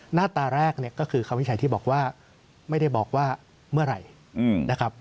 หน้าตาแรกก็คือคำวิชัยที่บอกว่าไม่ได้บอกว่าเมื่อไหร่